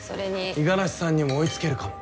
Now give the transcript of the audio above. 五十嵐さんにも追いつけるかも？